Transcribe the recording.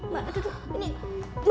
mbak aduh aduh ini